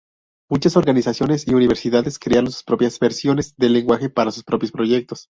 Muchas organizaciones y universidades crearon sus propias versiones del lenguaje para sus propios proyectos.